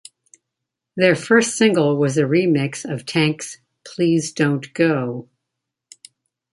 Their first single was a remix of Tank's "Please Don't Go".